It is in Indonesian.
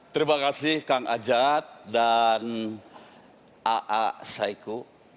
terima kasih kang ajat dan aa saiku